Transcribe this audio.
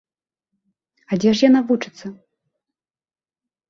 А дзе ж яна вучыцца?